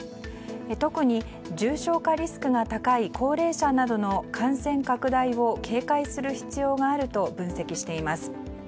特に重症化リスクが高い高齢者などの感染拡大を警戒する必要があると分析しています。